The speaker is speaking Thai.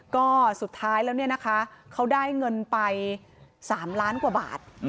ก็สุดท้ายแล้วเนี่ยนะคะเขาได้เงินไป๓ล้านกว่าบาท